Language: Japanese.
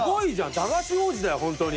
駄菓子王子だよ、本当に。